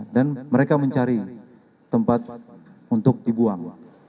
dan mereka mencari tempat untuk dibuang